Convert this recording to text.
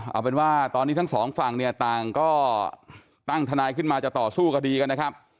เอาเป็นว่าตอนนี้ทั้งสองฝั่งเนี่ยต่างก็ตั้งทนายขึ้นมาจะต่อสู้คดีกันนะครับ